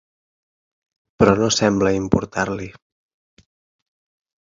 Però no sembla importar-li.